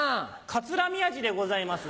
カツラ宮治でございます。